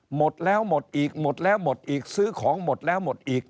หมดแล้วหมดอีกหมดแล้วหมดอีกซื้อของหมดแล้วหมดอีก